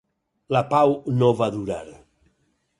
La pau no va durar.